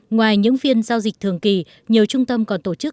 ngoài những phiên giao dịch thường kỳ nhiều trung tâm còn tổ chức